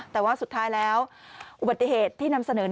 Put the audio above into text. แต่ว่าสุดท้ายแล้วอุบัติเหตุที่นำเสนอ